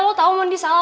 lo tahu mondi salah